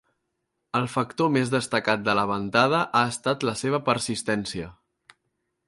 El factor més destacat de la ventada ha estat la seva persistència.